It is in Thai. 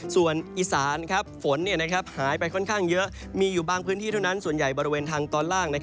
ส่วนอีสานฝนหายไปค่อนข้างเยอะมีอยู่บางพื้นที่เท่านั้นส่วนใหญ่บริเวณทางตอนล่าง